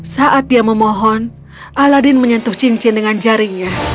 saat dia memohon aladin menyentuh cincin dengan jaringnya